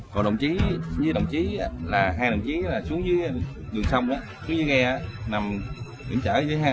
còn hai đồng chí xuống dưới đường sông dưới ghe nằm kiểm trở